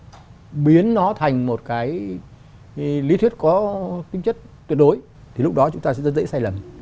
nếu tuyệt đối hóa nó biến nó thành một cái lý thuyết có tính chất tuyệt đối thì lúc đó chúng ta sẽ dễ sai lầm